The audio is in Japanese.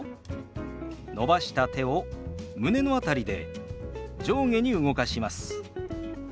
伸ばした手を胸の辺りで上下に動かします。